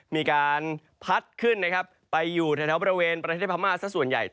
มีการพัดขึ้นไปอยู่ในแถวบริเวณประเทศพรรมาสส่วนใหญ่